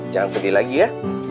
jangan sedih lagi ya